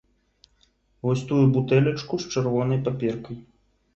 Вось тую бутэлечку з чырвонай паперкай!